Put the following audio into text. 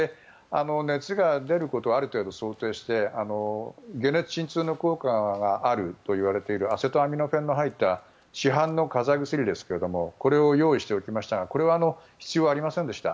熱が出ることはある程度、想定して解熱鎮痛の効果があるといわれているアセトアミノフェンが入った市販の風邪薬ですがこれを用意しておきましたがこれは必要ありませんでした。